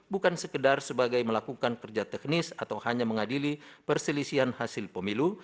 bukan sekedar sebagai melakukan kerja teknis atau hanya mengadili perselisihan hasil pemilu